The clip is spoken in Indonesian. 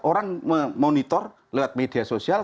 orang memonitor lewat media sosial